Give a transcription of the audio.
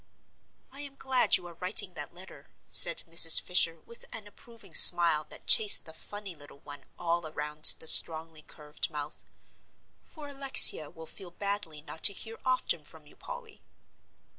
"I am glad you are writing that letter," said Mrs. Fisher, with an approving smile that chased the funny little one all around the strongly curved mouth, "for Alexia will feel badly not to hear often from you, Polly."